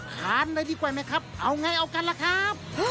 ทานเลยดีกว่าไหมครับเอาไงเอากันล่ะครับ